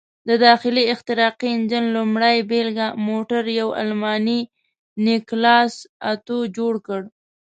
د داخلي احتراقي انجن لومړۍ بېلګه موټر یو الماني نیکلاس اتو جوړ کړ.